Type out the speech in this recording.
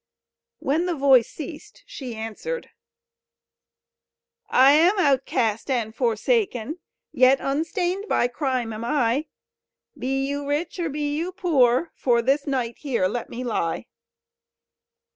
When the voice ceased she answered: "I am outcast and forsaken; Yet unstained by crime am I: Be you rich, or be you poor, For this night here let me lie."